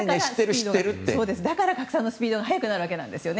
だから拡散のスピードが早くなるんですね。